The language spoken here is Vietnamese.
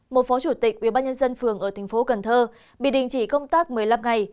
một phó chủ tịch ủy ban nhân dân phường ở tp cần thơ bị đình chỉ công tác một mươi năm ngày